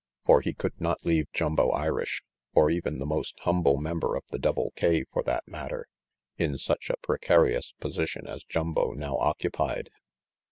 For he could not leave Jumbo Irish, or even the most humble member of the Double K for that matter, in such a precarious position as Jumbo now occupied.